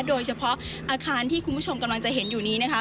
โดยเฉพาะอาคารที่คุณผู้ชมกำลังจะเห็นอยู่นี้นะคะ